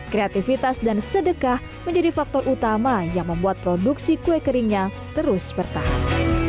kreativitas dan sedekah menjadi faktor utama yang membuat produksi kue keringnya terus bertahan